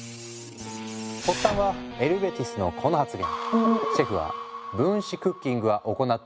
発端はエルヴェ・ティスのこの発言。